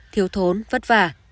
thiếu thốn vất vả